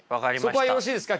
そこはよろしいですか